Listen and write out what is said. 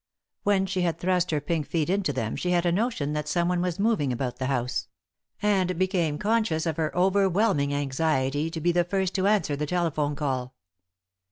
When she had thrust her pink feet into them she had a notion that some one was moving about the house — and became conscious of her overwhelming anxiety to be the first to answer the telephone call.